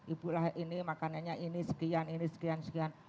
ibulah ini makanannya ini sekian ini sekian sekian